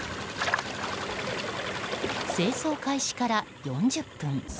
清掃開始から４０分。